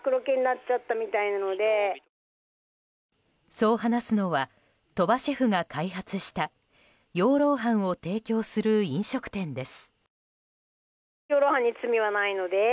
そう話すのは鳥羽シェフが開発した養老飯を提供する飲食店です。